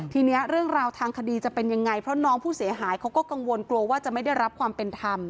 ทีนี้เรื่องราวทางคดีจะเป็นยังไงเพราะน้องผู้เสียหายเขาก็กังวลกลัวว่าจะไม่ได้รับความเป็นธรรม